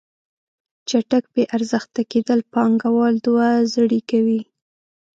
چټک بې ارزښته کیدل پانګوال دوه زړې کوي.